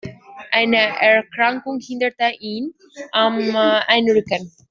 Eine Erkrankung hinderte ihn am Einrücken.